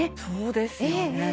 そうですよね